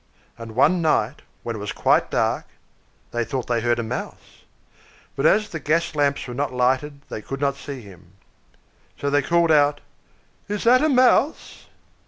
And one night, when it was quite dark, they thought they heard a mouse; but, as the gas lamps were not lighted, they could not see him. So they called out, "Is that a mouse?"